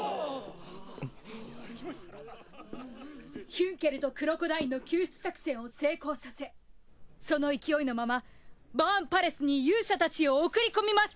ヒュンケルとクロコダインの救出作戦を成功させその勢いのままバーンパレスに勇者たちを送り込みます。